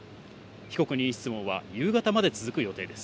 被告人質問は夕方まで続く予定です。